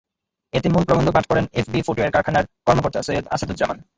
এতে মূল প্রবন্ধ পাঠ করেন এফবি ফুটওয়্যার কারখানার কর্মকর্তা সৈয়দ আসাদুজ্জামান।